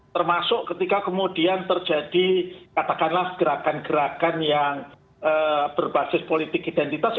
termasuk ketika kemudian terjadi katakanlah gerakan gerakan yang berbasis politik identitas